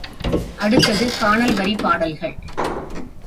அடுத்தது கானல் வரிப் பாடல்கள்.